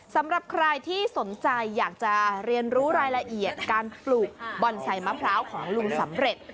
สำหรับใครที่สนใจอยากจะเรียนรู้รายละเอียดการปลูกบ่อนใส่มะพร้าวของลุงสำเร็จ